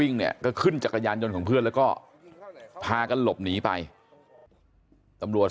่งเนี่ยก็ขึ้นจักรยานยนต์ของเพื่อนแล้วก็พากันหลบหนีไปตำรวจ